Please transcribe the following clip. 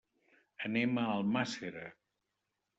Anem a Almàssera.